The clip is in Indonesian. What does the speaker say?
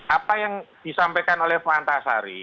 apa yang disampaikan oleh pak antasari